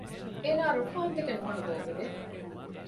އޭނާ ރުކާންދެކެ ނުހަނު ލޯބިވެ